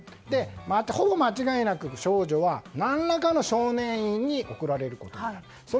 また、ほぼ間違いなく少女は何らかの少年院に送られることになります。